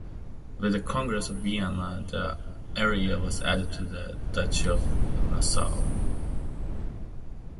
With the Congress of Vienna the area was added to the duchy of Nassau.